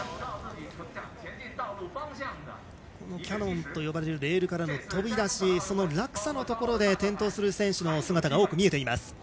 キャノンと呼ばれるレールからの飛び出しその落差のところで転倒する選手の姿が多く見えています。